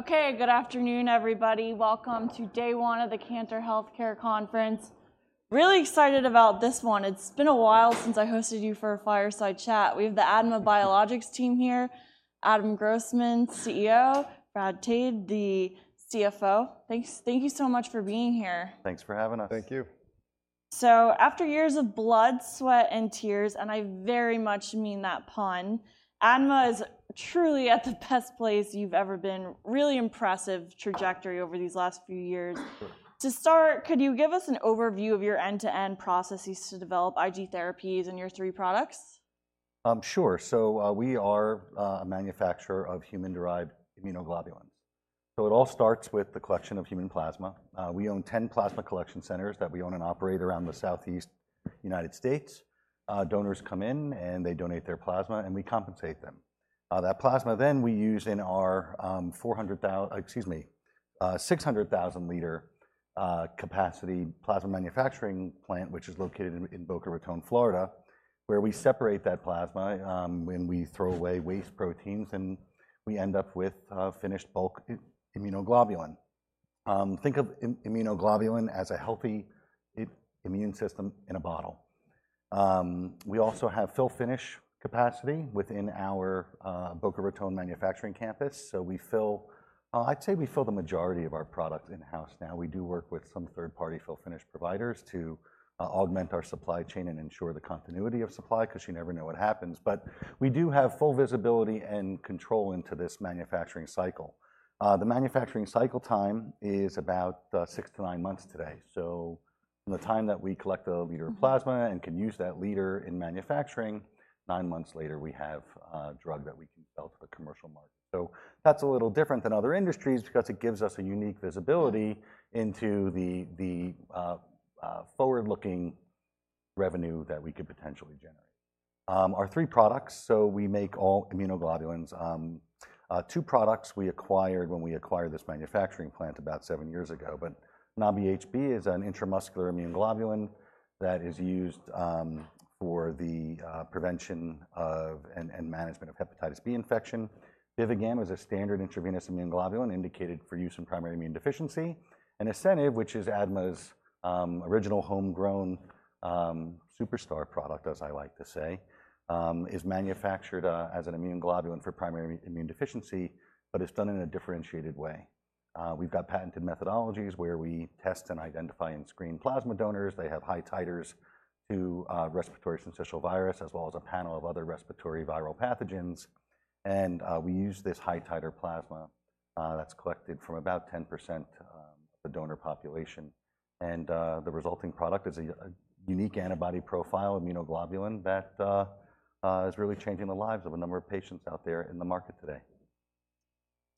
Okay, good afternoon, everybody. Welcome to day one of the Cantor Healthcare Conference. Really excited about this one. It's been a while since I hosted you for a fireside chat. We have the ADMA Biologics team here, Adam Grossman, CEO, Brad Tade, the CFO. Thank you so much for being here. Thanks for having us. Thank you. So after years of blood, sweat, and tears, and I very much mean that pun, ADMA is truly at the best place you've ever been. Really impressive trajectory over these last few years. Sure. To start, could you give us an overview of your end-to-end processes to develop IG therapies and your three products? Sure. So, we are a manufacturer of human-derived immunoglobulins. So it all starts with the collection of human plasma. We own ten plasma collection centers that we own and operate around the Southeast United States. Donors come in, and they donate their plasma, and we compensate them. That plasma then we use in our six hundred thousand liter capacity plasma manufacturing plant, which is located in Boca Raton, Florida, where we separate that plasma, and we throw away waste proteins, and we end up with finished bulk immunoglobulin. Think of immunoglobulin as a healthy immune system in a bottle. We also have fill-finish capacity within our Boca Raton manufacturing campus. So we fill, I'd say we fill the majority of our product in-house now. We do work with some third-party fill-finish providers to augment our supply chain and ensure the continuity of supply, 'cause you never know what happens, but we do have full visibility and control into this manufacturing cycle. The manufacturing cycle time is about six to nine months today. So from the time that we collect a liter of plasma and can use that liter in manufacturing. Nine months later, we have a drug that we can sell to the commercial market, so that's a little different than other industries because it gives us a unique visibility into the forward-looking revenue that we could potentially generate. Our three products, so we make all immunoglobulins. Two products we acquired when we acquired this manufacturing plant about seven years ago, but Nabi-HB is an intramuscular immunoglobulin that is used for the prevention of and management of hepatitis B infection. BIVIGAM is a standard intravenous immunoglobulin indicated for use in primary immune deficiency, and ASCENIV, which is ADMA's original homegrown superstar product, as I like to say, is manufactured as an immunoglobulin for primary immune deficiency, but it's done in a differentiated way. We've got patented methodologies where we test and identify and screen plasma donors. They have high titers to respiratory Syncytial Virus, as well as a panel of other respiratory viral pathogens, and we use this high-titer plasma that's collected from about 10% of the donor population, and the resulting product is a unique antibody profile immunoglobulin that is really changing the lives of a number of patients out there in the market today.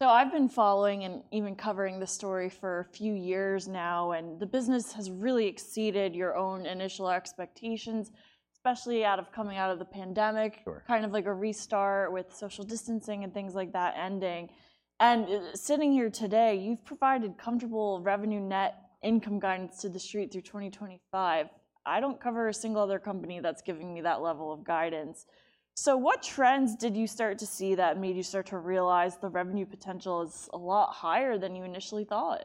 So I've been following and even covering this story for a few years now, and the business has really exceeded your own initial expectations, especially out of coming out of the pandemic. Sure... kind of like a restart with social distancing and things like that ending. And sitting here today, you've provided comfortable revenue net income guidance to the street through 2025. I don't cover a single other company that's giving me that level of guidance. So what trends did you start to see that made you start to realize the revenue potential is a lot higher than you initially thought?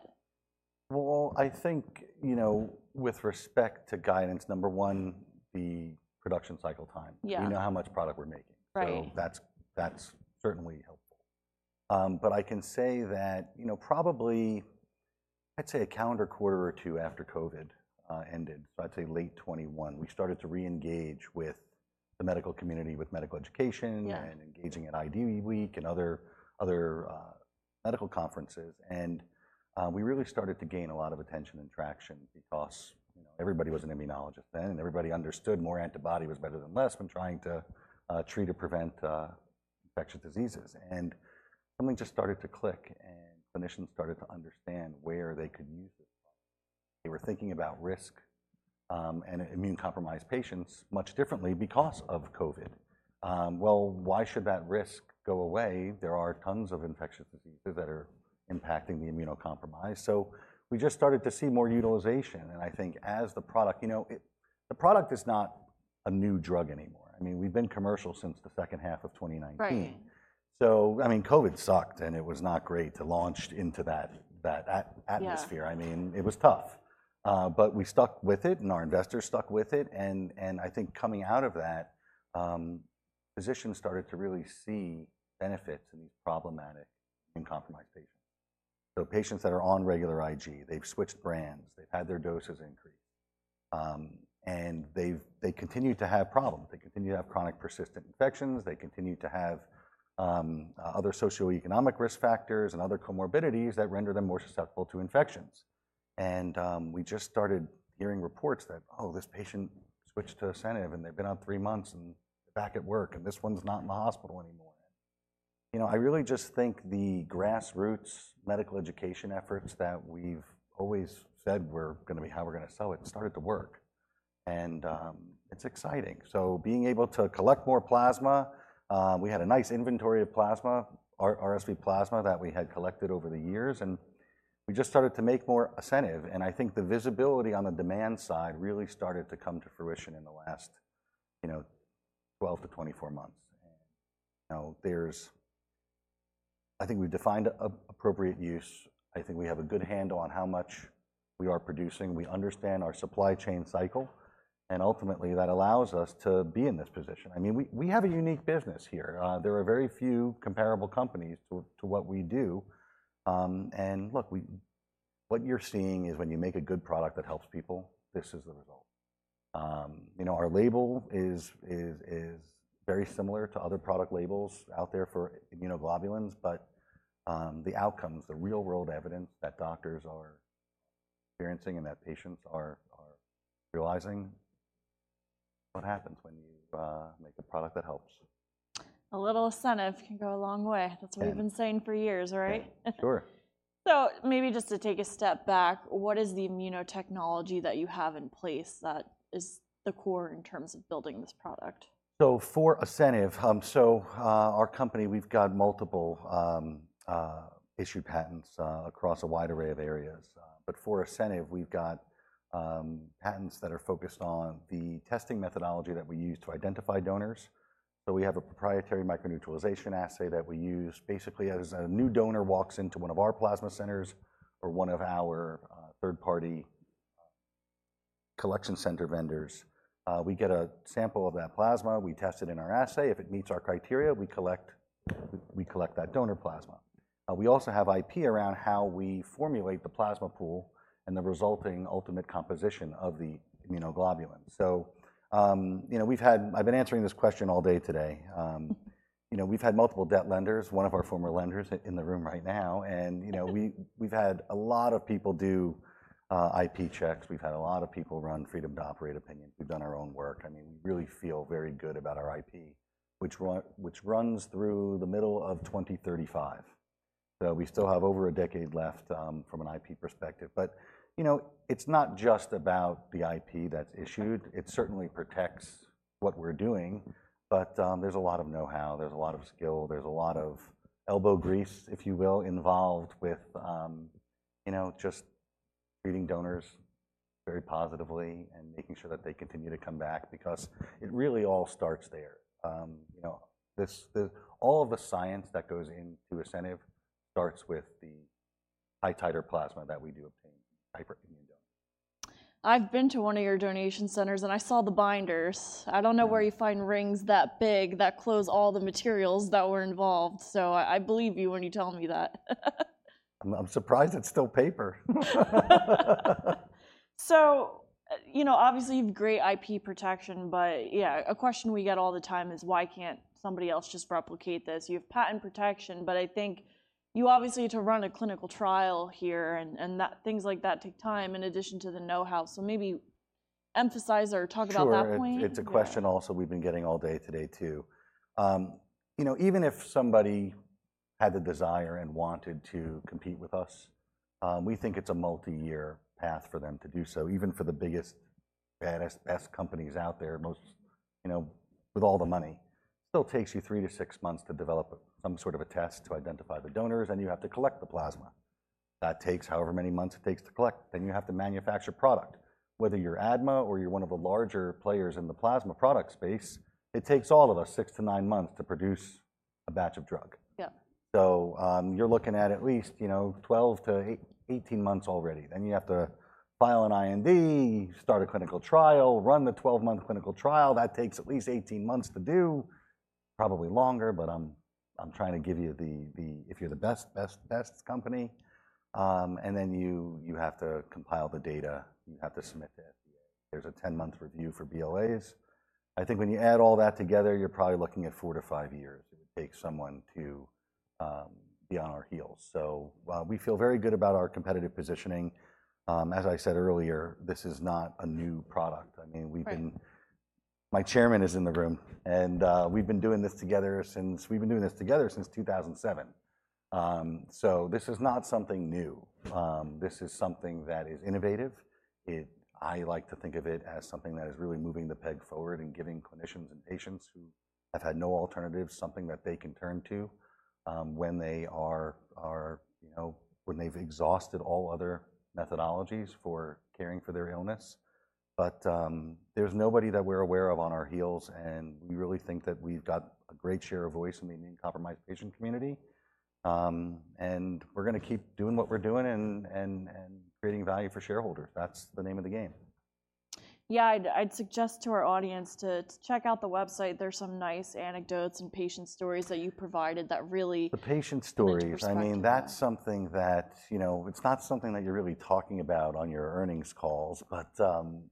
I think, you know, with respect to guidance, number one, the production cycle time. Yeah. We know how much product we're making- Right... so that's, that's certainly helpful. But I can say that, you know, probably, I'd say a calendar quarter or two after COVID ended, so I'd say late 2021, we started to re-engage with the medical community, with medical education- Yeah... and engaging at IDWeek and other medical conferences, and we really started to gain a lot of attention and traction because, you know, everybody was an immunologist then, and everybody understood more antibody was better than less when trying to treat or prevent infectious diseases. And something just started to click, and clinicians started to understand where they could use this. They were thinking about risk and immunocompromised patients much differently because of COVID, well, why should that risk go away? There are tons of infectious diseases that are impacting the immunocompromised, so we just started to see more utilization, and I think as the product... You know, it, the product is not a new drug anymore. I mean, we've been commercial since the second half of 2019. Right. So, I mean, COVID sucked, and it was not great to launch into that atmosphere. Yeah. I mean, it was tough. But we stuck with it, and our investors stuck with it, and I think coming out of that, physicians started to really see benefits in these problematic immunocompromised patients. So patients that are on regular IG, they've switched brands, they've had their doses increased, and they've, they continued to have problems. They continued to have chronic persistent infections. They continued to have other socioeconomic risk factors and other comorbidities that render them more susceptible to infections. And we just started hearing reports that, "Oh, this patient switched to ASCENIV, and they've been on three months and back at work, and this one's not in the hospital anymore." You know, I really just think the grassroots medical education efforts that we've always said were gonna be how we're gonna sell it, started to work, and it's exciting. So being able to collect more plasma, we had a nice inventory of plasma, RSV plasma, that we had collected over the years, and we just started to make more ASCENIV, and I think the visibility on the demand side really started to come to fruition in the last, you know, 12-24 months. Now, I think we've defined appropriate use. I think we have a good handle on how much we are producing. We understand our supply chain cycle, and ultimately, that allows us to be in this position. I mean, we have a unique business here. There are very few comparable companies to what we do. And look, what you're seeing is when you make a good product that helps people, this is the result. You know, our label is very similar to other product labels out there for immunoglobulins, but the outcomes, the real-world evidence that doctors are experiencing and that patients are realizing, what happens when you make a product that helps? A little ASCENIV can go a long way. Yeah. That's what we've been saying for years, right? Sure. So maybe just to take a step back, what is the immunotechnology that you have in place that is the core in terms of building this product? So for ASCENIV, our company, we've got multiple issued patents across a wide array of areas. But for ASCENIV, we've got patents that are focused on the testing methodology that we use to identify donors. So we have a proprietary microneutralization assay that we use. Basically, as a new donor walks into one of our plasma centers or one of our third-party collection center vendors, we get a sample of that plasma. We test it in our assay. If it meets our criteria, we collect that donor plasma. We also have IP around how we formulate the plasma pool and the resulting ultimate composition of the immunoglobulin. So, you know, we've had... I've been answering this question all day today. you know, we've had multiple debt lenders, one of our former lenders, in the room right now, and you know, we've had a lot of people do IP checks. We've had a lot of people run freedom-to-operate opinion. We've done our own work. I mean, we really feel very good about our IP, which runs through the middle of 2035. So we still have over a decade left, from an IP perspective, but, you know, it's not just about the IP that's issued. It certainly protects what we're doing, but, there's a lot of know-how, there's a lot of skill, there's a lot of elbow grease, if you will, involved with, you know, just treating donors very positively and making sure that they continue to come back because it really all starts there. You know, this, all of the science that goes into ASCENIV starts with the high-titer plasma that we do obtain from hyperimmune donors. I've been to one of your donation centers, and I saw the binders. I don't know where you find rings that big that close all the materials that were involved, so I believe you when you tell me that. I'm surprised it's still paper. So, you know, obviously, you have great IP protection, but yeah, a question we get all the time is, "Why can't somebody else just replicate this?" You have patent protection, but I think you obviously need to run a clinical trial here, and that- things like that take time, in addition to the know-how. So maybe emphasize or talk about that point. It's a question also we've been getting all day today, too. You know, even if somebody had the desire and wanted to compete with us, we think it's a multi-year path for them to do so. Even for the biggest, baddest-ass companies out there, you know, with all the money, it still takes you three to six months to develop some sort of a test to identify the donors, then you have to collect the plasma. That takes however many months it takes to collect, then you have to manufacture product. Whether you're ADMA or you're one of the larger players in the plasma product space, it takes all of us six to nine months to produce a batch of drug. Yeah. So, you're looking at, at least, you know, 12 to 18 months already. Then you have to file an IND, start a clinical trial, run the 12-month clinical trial. That takes at least 18 months to do, probably longer, but I'm trying to give you the... if you're the best company. And then you have to compile the data. You have to submit to the FDA. There's a 10-month review for BLAs. I think when you add all that together, you're probably looking at 4 to 5 years it would take someone to be on our heels. So, we feel very good about our competitive positioning. As I said earlier, this is not a new product. Right. I mean, My chairman is in the room, and we've been doing this together since 2007. So this is not something new. This is something that is innovative. I like to think of it as something that is really moving the peg forward and giving clinicians and patients who have had no alternatives something that they can turn to when they are, you know, when they've exhausted all other methodologies for caring for their illness. But there's nobody that we're aware of on our heels, and we really think that we've got a great share of voice in the immunocompromised patient community. And we're gonna keep doing what we're doing and creating value for shareholders. That's the name of the game. Yeah, I'd suggest to our audience to check out the website. There's some nice anecdotes and patient stories that you provided that really- The patient stories- Give perspective... I mean, that's something that, you know, it's not something that you're really talking about on your earnings calls, but,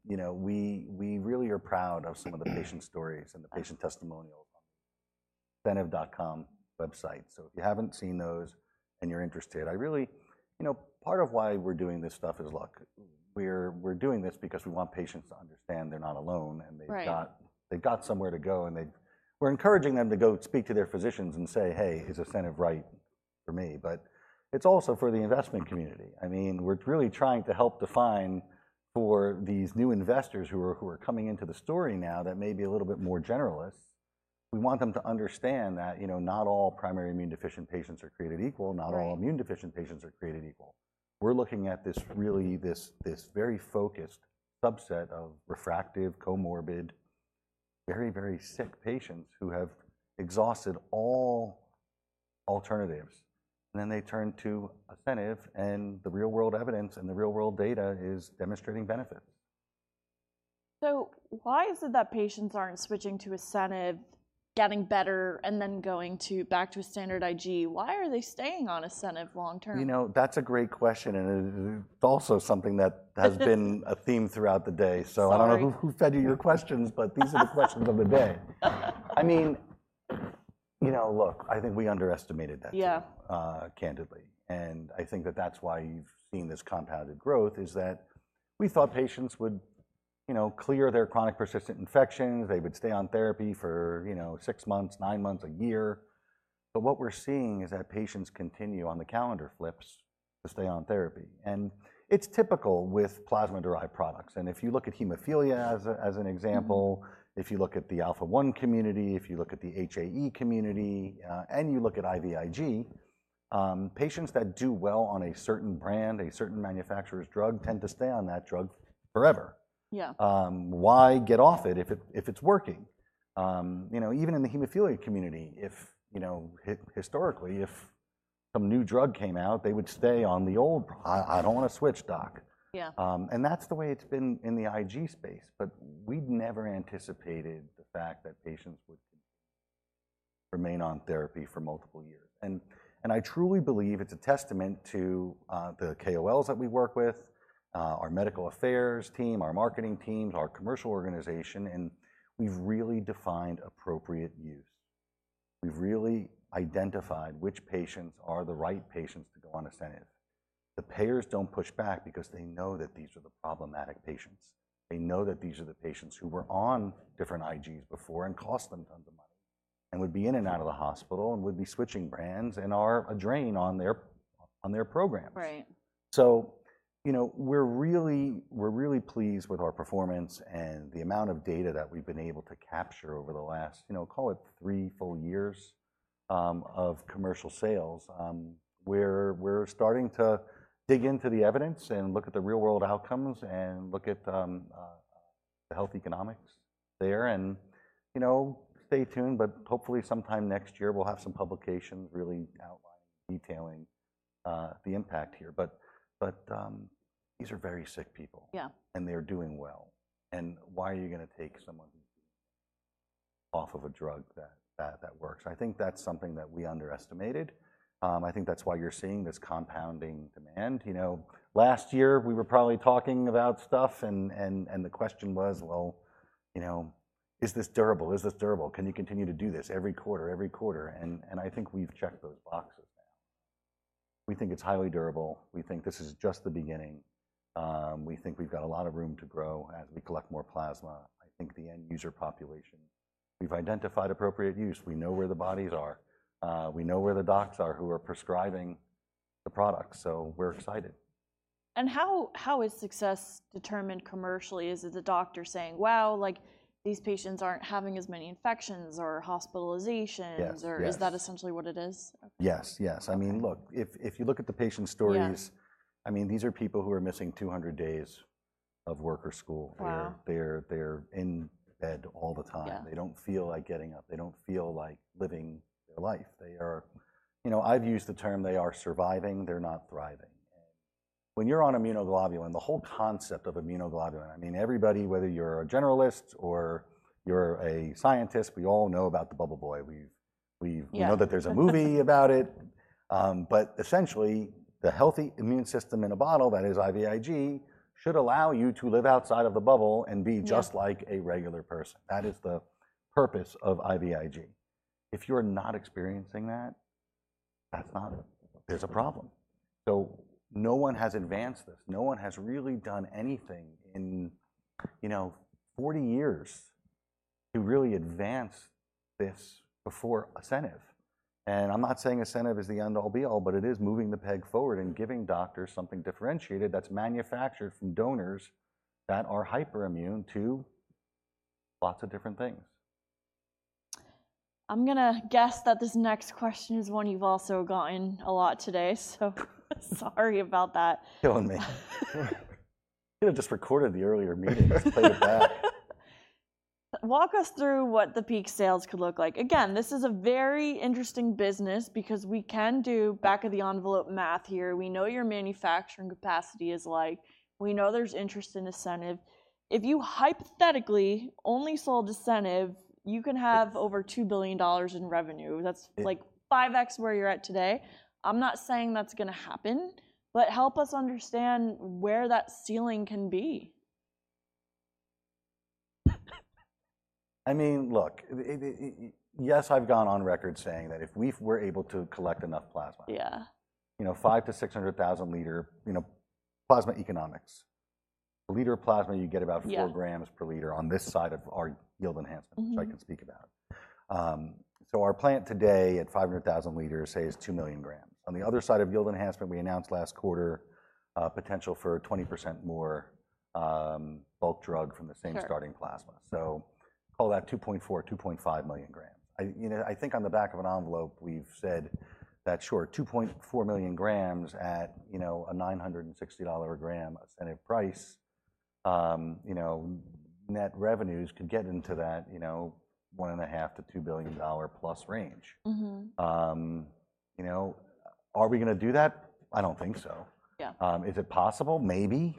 you know, we really are proud of some of the patient stories and the patient testimonials on ASCENIV.com website. So if you haven't seen those and you're interested, I really. You know, part of why we're doing this stuff is, look, we're doing this because we want patients to understand they're not alone, and they've got- Right... they've got somewhere to go, and we're encouraging them to go speak to their physicians and say, "Hey, is ASCENIV right for me?" But it's also for the investment community. I mean, we're really trying to help define for these new investors who are coming into the story now, that may be a little bit more generalist. We want them to understand that, you know, not all primary immunodeficient patients are created equal. Right. Not all immunodeficient patients are created equal. We're looking at this really, this very focused subset of refractory, comorbid, very, very sick patients who have exhausted all alternatives, and then they turn to ASCENIV, and the real-world evidence and the real-world data is demonstrating benefits. So why is it that patients aren't switching to ASCENIV, getting better, and then going to, back to a standard IG? Why are they staying on ASCENIV long term? You know, that's a great question, and it's also something that has been a theme throughout the day. Sorry. So I don't know who fed you your questions, but these are the questions of the day. I mean, you know, look, I think we underestimated that- Yeah candidly, and I think that that's why you've seen this compounded growth, is that we thought patients would, you know, clear their chronic persistent infections. They would stay on therapy for, you know, six months, nine months, a year. But what we're seeing is that patients continue, on the calendar flips, to stay on therapy, and it's typical with plasma-derived products. And if you look at hemophilia as an example-... if you look at the Alpha-1 community, if you look at the HAE community, and you look at IVIG, patients that do well on a certain brand, a certain manufacturer's drug, tend to stay on that drug forever. Yeah. Why get off it if it, if it's working? You know, even in the hemophilia community, if, you know, historically, if some new drug came out, they would stay on the old, "I don't want to switch, Doc. Yeah. And that's the way it's been in the IG space, but we'd never anticipated the fact that patients would remain on therapy for multiple years. I truly believe it's a testament to the KOLs that we work with, our medical affairs team, our marketing teams, our commercial organization, and we've really defined appropriate use. We've really identified which patients are the right patients to go on ASCENIV. The payers don't push back because they know that these are the problematic patients. They know that these are the patients who were on different IGs before, and cost them tons of money, and would be in and out of the hospital, and would be switching brands, and are a drain on their programs. Right. So, you know, we're really, we're really pleased with our performance and the amount of data that we've been able to capture over the last, you know, call it three full years of commercial sales. We're starting to dig into the evidence and look at the real-world outcomes and look at the health economics there, and, you know, stay tuned, but hopefully sometime next year we'll have some publications really outlining, detailing the impact here. But these are very sick people- Yeah... and they're doing well, and why are you gonna take someone off of a drug that, that, that works? I think that's something that we underestimated. I think that's why you're seeing this compounding demand. You know, last year we were probably talking about stuff, and the question was: "Well, you know, is this durable? Is this durable? Can you continue to do this every quarter, every quarter?" and I think we've checked those boxes now. We think it's highly durable. We think this is just the beginning. We think we've got a lot of room to grow as we collect more plasma. I think the end user population... We've identified appropriate use. We know where the bodies are. We know where the docs are who are prescribing the products, so we're excited. How is success determined commercially? Is it the doctor saying, "Wow," like, "these patients aren't having as many infections or hospitalizations? Yes, yes. Or is that essentially what it is? Yes, yes. I mean, look, if you look at the patient stories- Yeah ... I mean, these are people who are missing 200 days of work or school. Wow! They're in bed all the time. Yeah. They don't feel like getting up. They don't feel like living their life. They are... You know, I've used the term they are surviving, they're not thriving. When you're on immunoglobulin, the whole concept of immunoglobulin, I mean, everybody, whether you're a generalist or you're a scientist, we all know about the Bubble Boy. We've Yeah.... we know that there's a movie about it. But essentially, the healthy immune system in a bottle, that is IVIG, should allow you to live outside of the bubble and be Yeah... just like a regular person. That is the purpose of IVIG. If you're not experiencing that, that's not. There's a problem. So no one has advanced this. No one has really done anything in, you know, 40 years to really advance this before ASCENIV. And I'm not saying ASCENIV is the end-all be-all, but it is moving the peg forward and giving doctors something differentiated that's manufactured from donors that are hyperimmune to lots of different things. I'm gonna guess that this next question is one you've also gotten a lot today, so sorry about that. Killing me. You could have just recorded the earlier meeting and played it back. Walk us through what the peak sales could look like. Again, this is a very interesting business because we can do back-of-the-envelope math here. We know your manufacturing capacity is like. We know there's interest in ASCENIV. If you hypothetically only sold ASCENIV, you can have over $2 billion in revenue. Yeah. That's like 5X where you're at today. I'm not saying that's gonna happen, but help us understand where that ceiling can be. I mean, look, yes, I've gone on record saying that if we were able to collect enough plasma- Yeah... you know, 5-600,000 L, you know, plasma economics. A liter of plasma, you get about- Yeah... four grams per liter on this side of our yield enhancement- Mm-hmm... which I can speak about. So our plant today, at 500,000 L, say, is 2 million grams. On the other side of yield enhancement, we announced last quarter, potential for 20% more bulk drug from the same- Sure Starting plasma. So call that 2.4-2.5 million grams. I, you know, I think on the back of an envelope, we've said that, sure, 2.4 million grams at, you know, a $960 a gram ASCENIV price, you know, net revenues could get into that, you know, $1.5-$2 billion plus range. Mm-hmm. You know, are we gonna do that? I don't think so. Yeah. Is it possible? Maybe.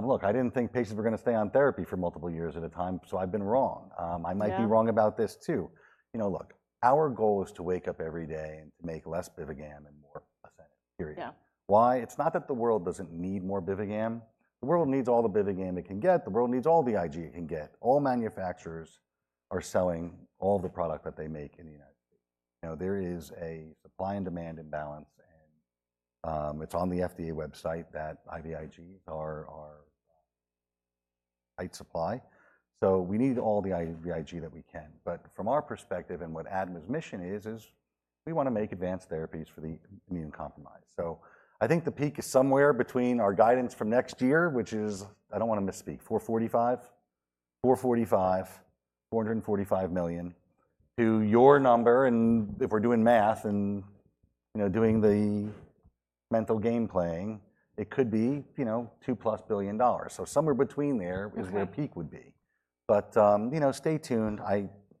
Look, I didn't think patients were gonna stay on therapy for multiple years at a time, so I've been wrong. I might be- Yeah... wrong about this too. You know, look, our goal is to wake up every day and to make less BIVIGAM and more ASCENIV, period. Yeah. Why? It's not that the world doesn't need more BIVIGAM. The world needs all the BIVIGAM it can get. The world needs all the IG it can get. All manufacturers are selling all the product that they make in the United States. You know, there is a supply and demand imbalance and it's on the FDA website that IVIG are tight supply, so we need all the IVIG that we can. But from our perspective, and what ADMA's mission is, is we wanna make advanced therapies for the immunocompromised. So I think the peak is somewhere between our guidance from next year, which is... I don't wanna misspeak, $445 million, to your number, and if we're doing math and, you know, doing the mental game playing, it could be, you know, $2 billion plus. So somewhere between there- Okay... is where the peak would be. But you know, stay tuned.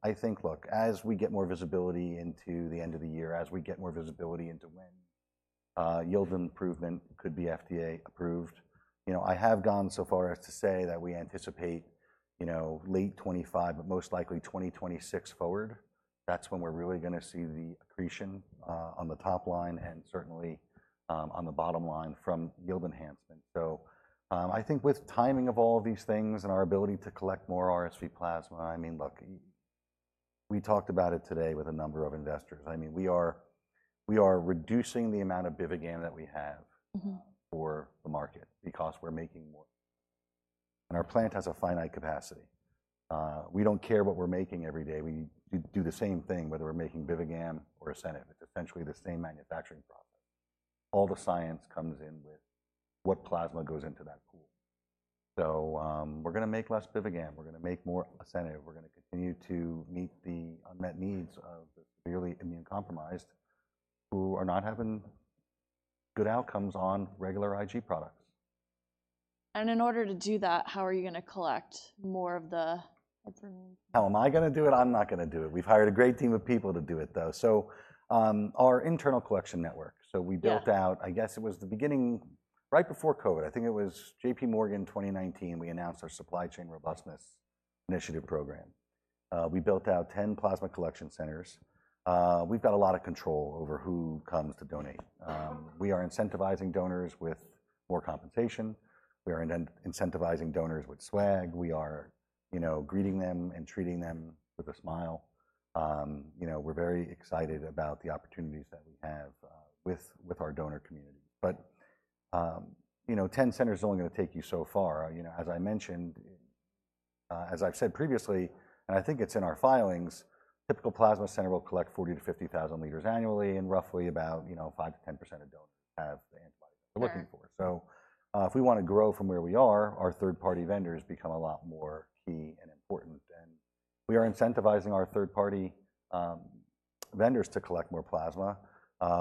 I think, look, as we get more visibility into the end of the year, as we get more visibility into when yield improvement could be FDA-approved, you know, I have gone so far as to say that we anticipate, you know, late 2025, but most likely 2026 forward, that's when we're really gonna see the accretion on the top line and certainly on the bottom line from yield enhancement. I think with timing of all of these things and our ability to collect more RSV plasma, I mean, look, we talked about it today with a number of investors. I mean, we are reducing the amount of BIVIGAM that we have- Mm-hmm... for the market because we're making more, and our plant has a finite capacity. We don't care what we're making every day. We do the same thing, whether we're making BIVIGAM or ASCENIV. It's essentially the same manufacturing process. All the science comes in with what plasma goes into that pool. So, we're gonna make less BIVIGAM, we're gonna make more ASCENIV. We're gonna continue to meet the unmet needs of the severely immunocompromised who are not having good outcomes on regular IG products. In order to do that, how are you gonna collect more of the plasma? How am I gonna do it? I'm not gonna do it. We've hired a great team of people to do it, though. So, our internal collection network- Yeah ... so we built out, I guess it was the beginning, right before COVID, I think it was J.P. Morgan 2019, we announced our supply chain robustness initiative program. We built out 10 plasma collection centers. We've got a lot of control over who comes to donate. We are incentivizing donors with more compensation. We are incentivizing donors with swag. We are, you know, greeting them and treating them with a smile. You know, we're very excited about the opportunities that we have with our donor community. But, you know, 10 centers is only gonna take you so far. You know, as I mentioned, as I've said previously, and I think it's in our filings, typical plasma center will collect 40,000-50,000 liters annually, and roughly about, you know, 5%-10% of donors have the antibodies- Sure... we're looking for. So, if we wanna grow from where we are, our third-party vendors become a lot more key and important, and we are incentivizing our third-party vendors to collect more plasma.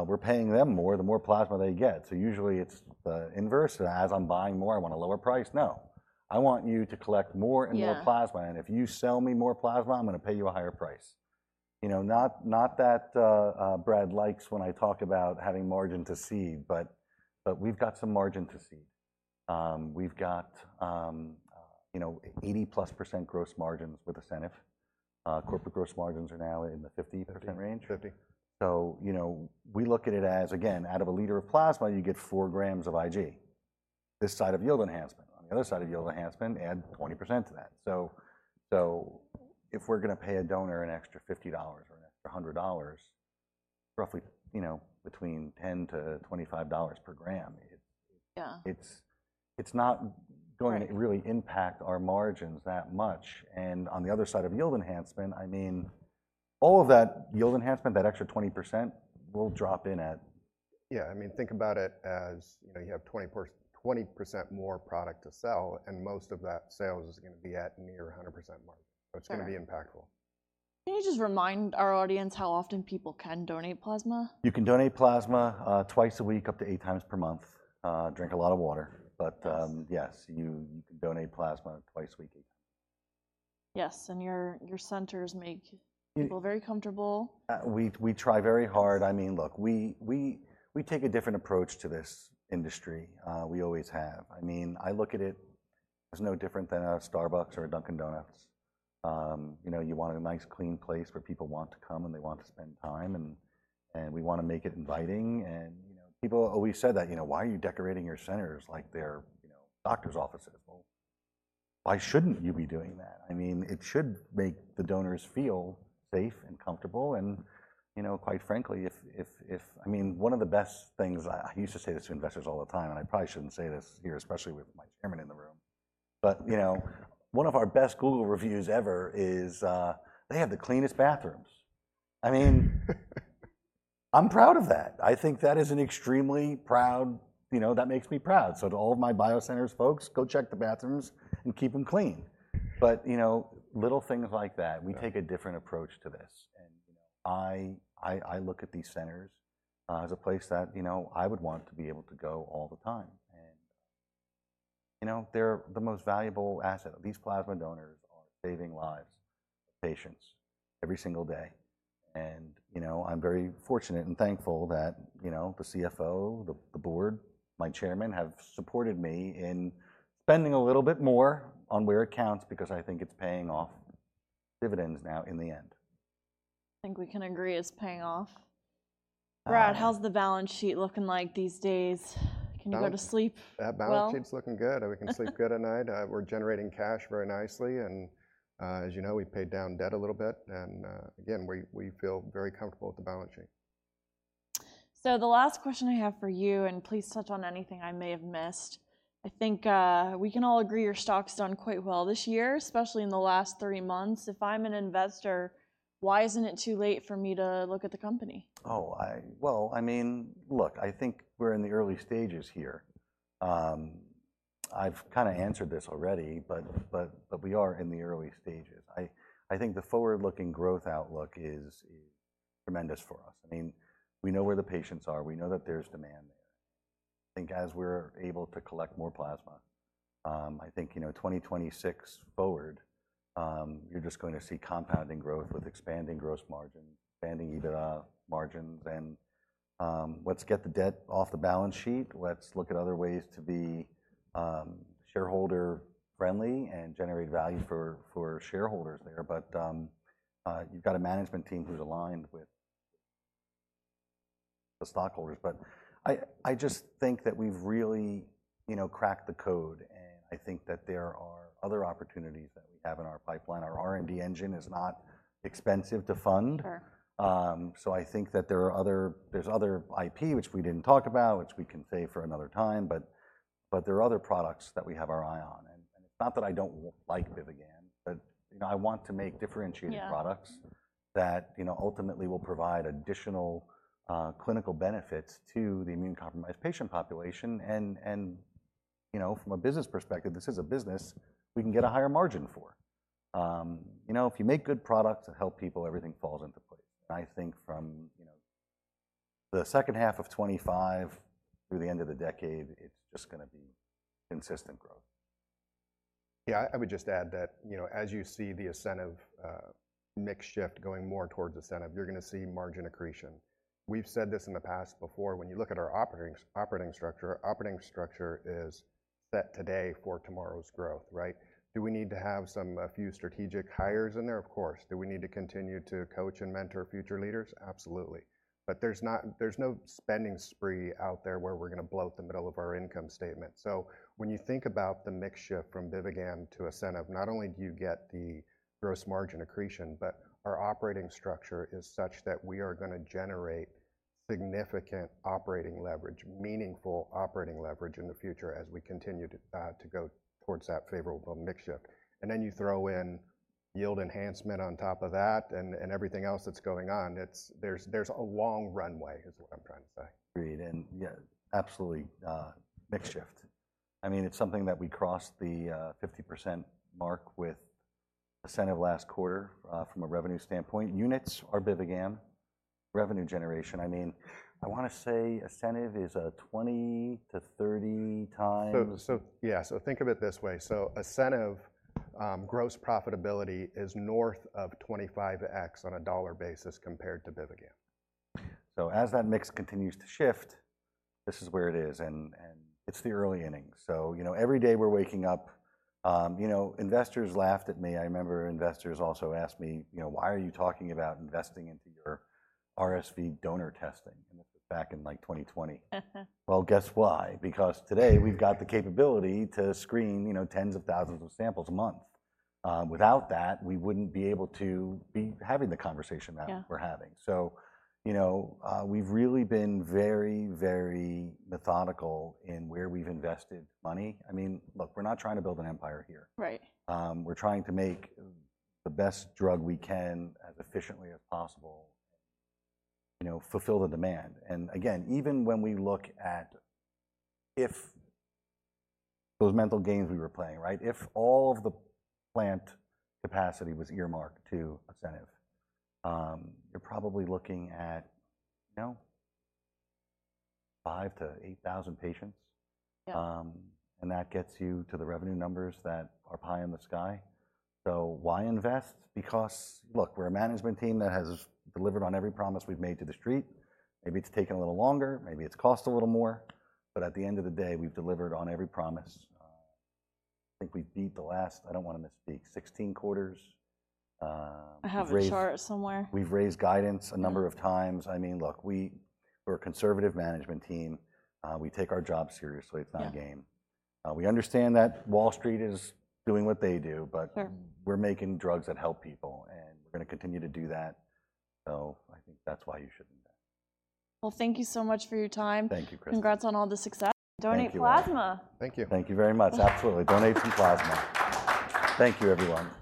We're paying them more, the more plasma they get. So usually it's the inverse. As I'm buying more, I want a lower price. No, I want you to collect more and more- Yeah... plasma, and if you sell me more plasma, I'm gonna pay you a higher price. You know, not that Brad likes when I talk about having margin to cede, but we've got some margin to cede. We've got, you know, 80+% gross margins with ASCENIV. Corporate gross margins are now in the 50-60% range? 50. So, you know, we look at it as, again, out of a liter of plasma, you get four grams of IG, this side of yield enhancement. On the other side of yield enhancement, add 20% to that. So, so if we're gonna pay a donor an extra $50 or an extra $100, roughly, you know, between $10-$25 per gram, it- Yeah... it's not going- Right... to really impact our margins that much, and on the other side of yield enhancement, I mean, all of that yield enhancement, that extra 20%, will drop in at- Yeah, I mean, think about it as, you know, you have 20% more product to sell, and most of that sales is gonna be at near 100% margin. Right. It's gonna be impactful. Can you just remind our audience how often people can donate plasma? You can donate plasma, twice a week, up to eight times per month. Drink a lot of water. Yes. But, yes, you can donate plasma twice a week. Yes, and your centers make- Yeah... people very comfortable. We try very hard. I mean, look, we take a different approach to this industry. We always have. I mean, I look at it as no different than a Starbucks or a Dunkin' Donuts. You know, you want a nice, clean place where people want to come, and they want to spend time, and we wanna make it inviting. You know, people always said that, you know, "Why are you decorating your centers like they're, you know, doctor's offices?" Why shouldn't you be doing that? I mean, it should make the donors feel safe and comfortable, and, you know, quite frankly, if... I mean, one of the best things, I used to say this to investors all the time, and I probably shouldn't say this here, especially with my chairman in the room, but, you know, one of our best Google reviews ever is, "They have the cleanest bathrooms." I mean... I'm proud of that! I think that is an extremely proud, you know, that makes me proud. So to all of my BioCenters folks, go check the bathrooms and keep them clean. But, you know, little things like that- Yeah... we take a different approach to this, and, you know, I look at these centers as a place that, you know, I would want to be able to go all the time. And, you know, they're the most valuable asset. These plasma donors are saving lives, patients every single day, and, you know, I'm very fortunate and thankful that, you know, the CFO, the board, my Chairman, have supported me in spending a little bit more on where it counts because I think it's paying off dividends now in the end. I think we can agree it's paying off. Uh- Brad, how's the balance sheet looking like these days? Balance- Can you go to sleep well? That balance sheet's looking good. We can sleep good at night. We're generating cash very nicely, and, as you know, we paid down debt a little bit, and, again, we feel very comfortable with the balance sheet. So the last question I have for you, and please touch on anything I may have missed. I think, we can all agree your stock's done quite well this year, especially in the last three months. If I'm an investor, why isn't it too late for me to look at the company? Well, I mean, look, I think we're in the early stages here. I've kind of answered this already, but we are in the early stages. I think the forward-looking growth outlook is tremendous for us. I mean, we know where the patients are. We know that there's demand there. I think as we're able to collect more plasma, I think, you know, 2026 forward, you're just going to see compounding growth with expanding gross margin, expanding EBITDA margins, and let's get the debt off the balance sheet. Let's look at other ways to be shareholder-friendly and generate value for shareholders there. But you've got a management team who's aligned with the stockholders. But I just think that we've really, you know, cracked the code, and I think that there are other opportunities that we have in our pipeline. Our R&D engine is not expensive to fund. Sure. I think that there are other IP, which we didn't talk about, which we can save for another time, but there are other products that we have our eye on, not that I don't like BIVIGAM, but, you know, I want to make differentiated products- Yeah... that, you know, ultimately will provide additional clinical benefits to the immunocompromised patient population, and you know, from a business perspective, this is a business we can get a higher margin for. You know, if you make good products that help people, everything falls into place. I think from you know, the second half of 2025 through the end of the decade, it's just gonna be consistent growth. Yeah, I would just add that, you know, as you see the ASCENIV mix shift going more towards ASCENIV, you're gonna see margin accretion. We've said this in the past before, when you look at our operating structure, our operating structure is set today for tomorrow's growth, right? Do we need to have some, a few strategic hires in there? Of course. Do we need to continue to coach and mentor future leaders? Absolutely. But there's not, there's no spending spree out there, where we're gonna bloat the middle of our income statement. So when you think about the mix shift from BIVIGAM to ASCENIV, not only do you get the gross margin accretion, but our operating structure is such that we are gonna generate significant operating leverage, meaningful operating leverage in the future as we continue to go towards that favorable mix shift. Then you throw in yield enhancement on top of that and everything else that's going on. It's... There's a long runway, is what I'm trying to say. Agreed, and yeah, absolutely, mix shift. I mean, it's something that we crossed the 50% mark with ASCENIV last quarter from a revenue standpoint. Units are BIVIGAM. Revenue generation, I mean, I wanna say ASCENIV is a 20-30 times- Yeah, think of it this way: ASCENIV gross profitability is north of 25X on a dollar basis compared to BIVIGAM. So as that mix continues to shift, this is where it is, and it's the early innings. So you know, every day we're waking up. You know, investors laughed at me. I remember investors also asked me, "You know, why are you talking about investing into your RSV donor testing?" And this is back in, like, 2020. Well, guess what? Because today we've got the capability to screen, you know, tens of thousands of samples a month. Without that, we wouldn't be able to be having the conversation that- Yeah... we're having. So, you know, we've really been very, very methodical in where we've invested money. I mean, look, we're not trying to build an empire here. Right. We're trying to make the best drug we can as efficiently as possible, you know, fulfill the demand. And again, even when we look at if those mental games we were playing, right? If all of the plant capacity was earmarked to ASCENIV, you're probably looking at, you know, five to eight thousand patients. Yeah. And that gets you to the revenue numbers that are pie in the sky. So why invest? Because, look, we're a management team that has delivered on every promise we've made to the street. Maybe it's taken a little longer, maybe it's cost a little more, but at the end of the day, we've delivered on every promise. I think we've beat the last, I don't wanna misspeak, 16 quarters. I have a chart somewhere. We've raised guidance a number of times. Yeah. I mean, look, we're a conservative management team. We take our job seriously. Yeah. It's not a game. We understand that Wall Street is doing what they do, but- Sure... we're making drugs that help people, and we're gonna continue to do that. So I think that's why you should invest. Thank you so much for your time. Thank you, Kristen. Congrats on all the success. Thank you. Donate plasma! Thank you. Thank you very much. Absolutely. Donate some plasma. Thank you, everyone.